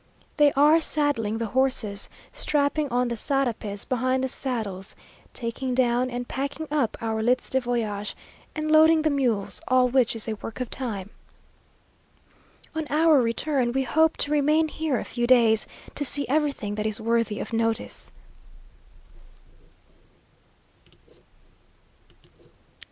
They are saddling the horses, strapping on the sarapes behind the saddles, taking down and packing up our lits de voyage, and loading the mules, all which is a work of time. On our return we hope to remain here a few days, to see everything that is worthy of notice.